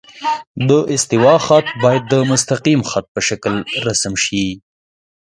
د استوا خط باید د مستقیم خط په شکل رسم شي